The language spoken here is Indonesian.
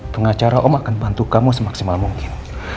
pengacara om akan bantu kamu semaksimal mungkin